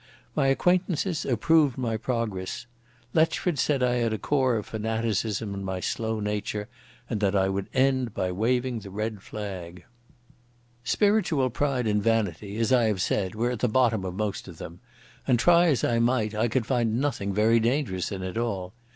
My acquaintances approved my progress. Letchford said I had a core of fanaticism in my slow nature, and that I would end by waving the red flag. Spiritual pride and vanity, as I have said, were at the bottom of most of them, and, try as I might, I could find nothing very dangerous in it all.